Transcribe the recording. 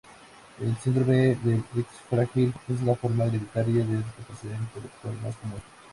El síndrome del X frágil es la forma hereditaria de discapacidad intelectual más común.